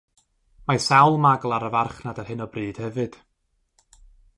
Mae sawl magl ar y farchnad ar hyn o bryd hefyd.